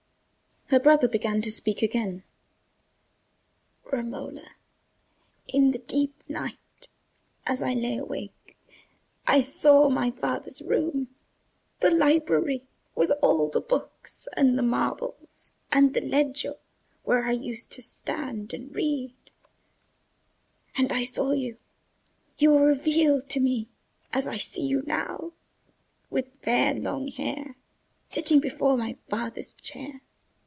Her brother began to speak again— "Romola, in the deep night, as I lay awake, I saw my father's room—the library—with all the books and the marbles and the leggio, where I used to stand and read; and I saw you—you were revealed to me as I see you now, with fair long hair, sitting before my father's chair.